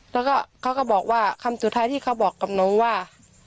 แล้วก็เขาก็บอกว่าคำสุดท้ายที่เขาบอกกับหนูว่า